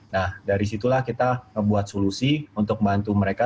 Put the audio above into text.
nah dari situlah kita membuat solusi untuk membantu mereka